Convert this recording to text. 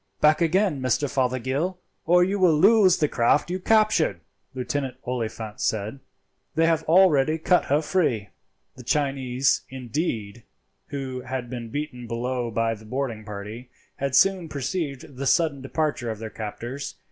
"Back again, Mr. Fothergill, or you will lose the craft you captured," Lieutenant Oliphant said; "they have already cut her free." The Chinese, indeed, who had been beaten below by the boarding party, had soon perceived the sudden departure of their captors.